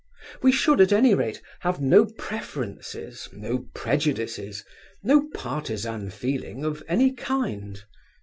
We should, at any rate, have no preferences, no prejudices, no partisan feeling of any kind.